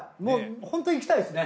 ホント行きたいですね。